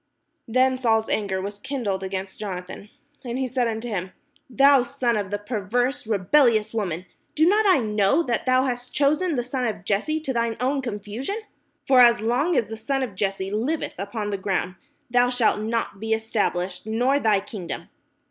Then Saul's anger was kindled against Jonathan, and he said unto him: "Thou son of the perverse rebelHous woman, do not I know that thou hast chosen the son of Jesse to thine own confusion? For as long as the son of Jesse hveth upon the ground, thou shalt not be estab lished, nor thy kingdom.